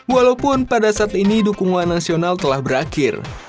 walaupun pada saat ini dukungan nasional telah berakhir